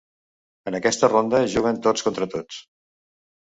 En aquesta ronda juguen tots contra tots.